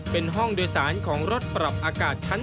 เป็นห้องโดยสารของรถปรับอากาศชั้น๒